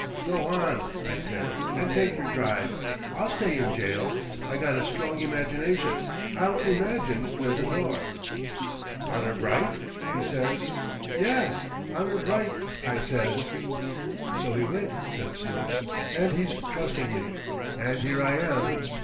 "'Go on,' I says, 'and take your drive. I'll stay in jail. I got a strong imagination. I'll imagine there's a door.' "'Honor bright?' he says. "'Yes, honor bright,' I says. "So he went," said Snooks, "and he's trusting me, and here I am.